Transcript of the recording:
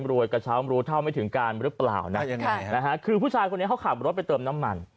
กระเช้ารู้เท่าไม่ถึงการหรือเปล่านะยังไงนะฮะคือผู้ชายคนนี้เขาขับรถไปเติมน้ำมัน